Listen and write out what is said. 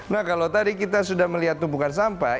nah kalau tadi kita sudah melihat tumpukan sampah